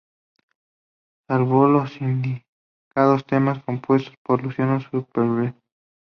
Salvo los indicados, temas compuestos por Luciano Supervielle.